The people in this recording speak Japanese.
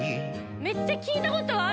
めっちゃ聞いたことある。